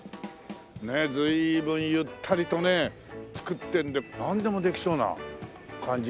ねっ随分ゆったりとね作ってるんでなんでもできそうな感じがしますけどもね。